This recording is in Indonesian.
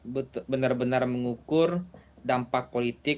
betul betul benar benar mengukur politik yang berkumpul dengan kebijakan politik